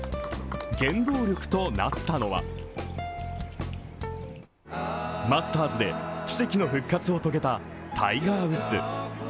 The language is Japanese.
原動力となったのは、マスターズで奇跡の復活を遂げたタイガー・ウッズ。